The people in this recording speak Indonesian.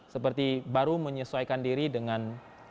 seperti baru menyesuaikan diri dengan